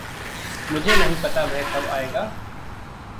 मुझे नहीं पता वह कब आएगा।